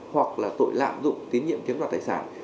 hoặc là tội lạm dụng tín nhiệm chiếm đoạt tài sản